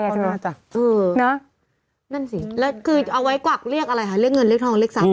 เอาไว้กวกเรียกเงินเลือกทองเลือกสัตว์